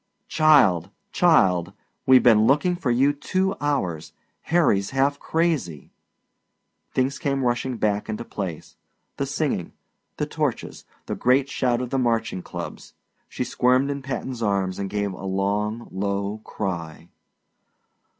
"Child, child! We've been looking for you two hours! Harry's half crazy!" Things came rushing back into place the singing, the torches, the great shout of the marching clubs. She squirmed in Patton's arms and gave a long low cry.